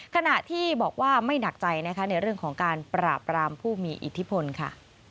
ขณะที่บอกว่าไม่หนักใจนะคะในเรื่องของการปราบรามผู้มีอิทธิพลค่ะ